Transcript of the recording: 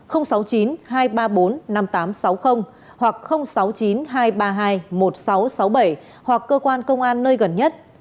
sáu mươi chín hai trăm ba mươi bốn năm nghìn tám trăm sáu mươi hoặc sáu mươi chín hai trăm ba mươi hai một nghìn sáu trăm sáu mươi bảy hoặc cơ quan công an nơi gần nhất